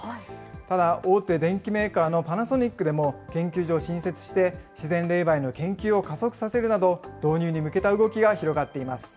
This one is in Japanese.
ただ、大手電機メーカーのパナソニックでも、研究所を新設して、自然冷媒の研究を加速させるなど、導入に向けた動きが広がっています。